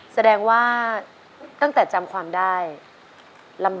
แล้วน้องใบบัวร้องได้หรือว่าร้องผิดครับ